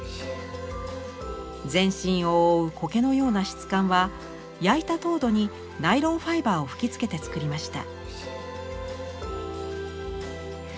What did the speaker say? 全身を覆う苔のような質感は焼いた陶土にナイロンファイバーを吹きつけて作りました。